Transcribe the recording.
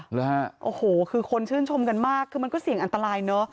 หรือฮะโอ้โหคือคนชื่นชมกันมากคือมันก็เสี่ยงอันตรายเนอะ